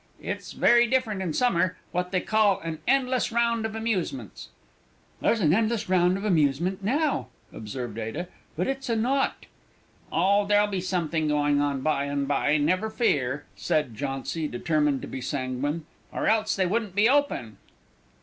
"It's very different in summer; what they call 'an endless round of amusements.'" "There's an endless round of amusement now," observed Ada; "but it's a naught!" "Oh, there'll be something going on by and by, never fear," said Jauncy, determined to be sanguine; "or else they wouldn't be open."